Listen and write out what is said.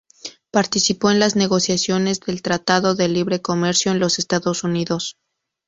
Participó en las negociaciones del Tratado de Libre Comercio con los Estados Unidos.